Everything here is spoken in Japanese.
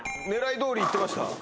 狙いどおりいってました？